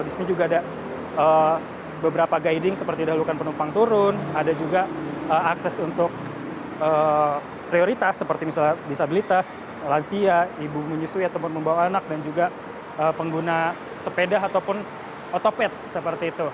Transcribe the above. di sini juga ada beberapa guiding seperti dahulukan penumpang turun ada juga akses untuk prioritas seperti misalnya disabilitas lansia ibu menyusui ataupun membawa anak dan juga pengguna sepeda ataupun otopet seperti itu